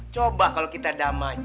coba kalau kita damai